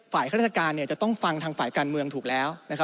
ฝ่ายข้าราชการเนี่ยจะต้องฟังทางฝ่ายการเมืองถูกแล้วนะครับ